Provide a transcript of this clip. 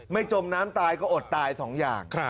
จมน้ำตายก็อดตายสองอย่าง